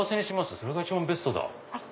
それが一番ベストだ。